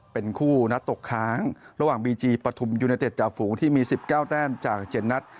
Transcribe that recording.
เป็นคู่นัดตกค้างระหว่างบีจีปฐุมยูเนเต็ดจ่าฝูงที่มี๑๙แต้มจาก๗นัด